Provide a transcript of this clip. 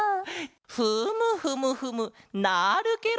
フムフムフムなるケロ！